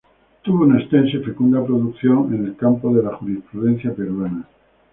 Tuvo una extensa y fecunda producción en el campo de la jurisprudencia peruana.